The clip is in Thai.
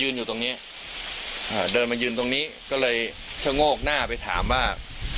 อยู่ตรงเนี้ยอ่าเดินมายืนตรงนี้ก็เลยชะโงกหน้าไปถามว่า